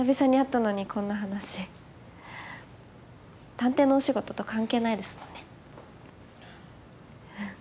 探偵のお仕事と関係ないですもんね。